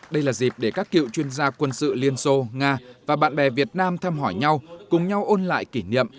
đây là dịp để các cựu chuyên gia quân sự liên xô nga và bạn bè việt nam thăm hỏi nhau cùng nhau ôn lại kỷ niệm